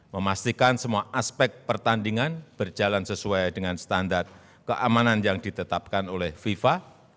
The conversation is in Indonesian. memastikan semua aspek pertandingan berjalan sesuai dengan standar keamanan yang ditetapkan oleh fifa